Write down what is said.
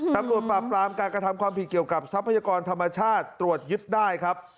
ตำรวจปราบปรามการกระทำความผิดเกี่ยวกับทรัพยากรธรรมชาติตรวจยึดได้ครับ